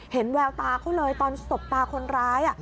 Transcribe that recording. แววตาเขาเลยตอนสบตาคนร้าย